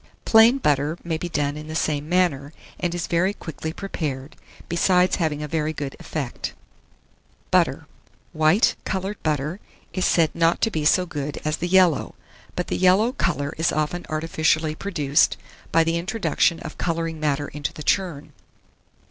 Plain butter may be done in the same manner, and is very quickly prepared, besides having a very good effect. BUTTER. White coloured butter is said not to be so good as the yellow; but the yellow colour is often artificially produced, by the introduction of colouring matter into the churn.